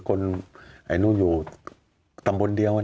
คนตำบลเดียว